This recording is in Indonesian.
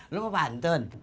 lu mau bantun